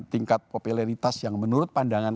tingkat popularitas yang menurut pandangan